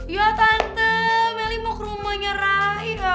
ya tante melly mau ke rumahnya raya